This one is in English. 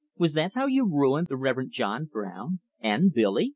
Was that how you ruined the Rev. John Brown and Billy?"